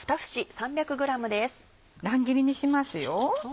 乱切りにしますよ。